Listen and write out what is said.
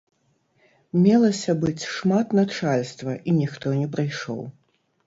Мелася быць шмат начальства, і ніхто не прыйшоў.